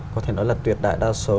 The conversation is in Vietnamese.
có thể nói là tuyệt đại đa số